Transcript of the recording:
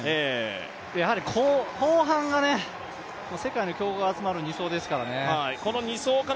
やはり後半がね、世界の強豪が集まる２走ですからね。